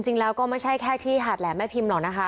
จริงแล้วก็ไม่ใช่แค่ที่หาดแหลมแม่พิมพ์หรอกนะคะ